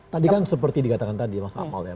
tadi kan seperti dikatakan tadi mas amal ya